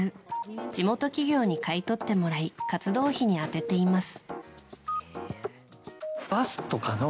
地元企業に買い取ってもらい活動費に充てています。